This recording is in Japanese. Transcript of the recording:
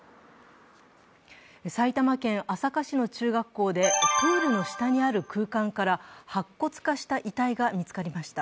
埼玉県朝霞市の中学校で、プールの下にある空間から白骨化した遺体が見つかりました。